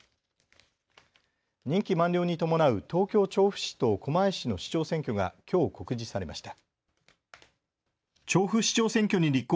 任期満了に伴う東京調布市と狛江市の市長選挙がきょう告示されました。